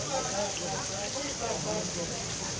มาทำให้นายดีสุด